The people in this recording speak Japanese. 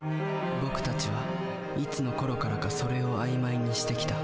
僕たちはいつのころからか「それ」を曖昧にしてきた。